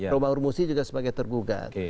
romahur musi juga sebagai tergugat